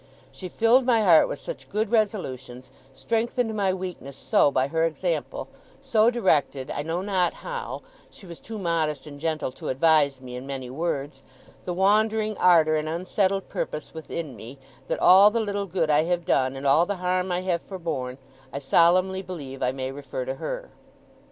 She filled my heart with such good resolutions, strengthened my weakness so, by her example, so directed I know not how, she was too modest and gentle to advise me in many words the wandering ardour and unsettled purpose within me, that all the little good I have done, and all the harm I have forborne, I solemnly believe I may refer to her.